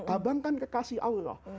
abang kan kekasih allah